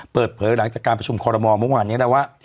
เปิดเผยหลังจากการประชุมคอรมอลเมื่อวานนี้แล้วว่า